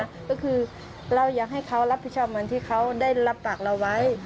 ก็คือเราอยากให้เขารับผิดชอบเหมือนที่เขาได้รับปากเราไว้